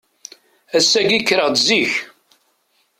Ass-agi, kkreɣ-d zik.